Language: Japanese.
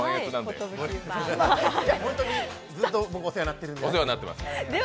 ずっとお世話になってるんで。